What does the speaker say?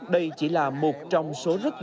đây chỉ là một trong số rất nhiều